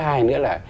thứ hai nữa là